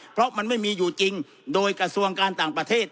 เพราะมันไม่มีอยู่จริงโดยกระทรวงการต่างประเทศ